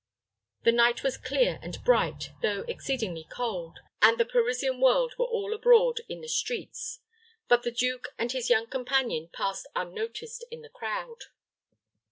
The night was clear and bright, though exceedingly cold, and the Parisian world were all abroad in the streets; but the duke and his young companion passed unnoticed in the crowd.